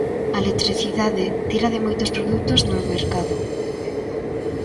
A electricidade tira de moitos produtos no mercado.